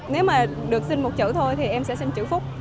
nếu mà được xin một chữ thôi thì em sẽ xin chữ phúc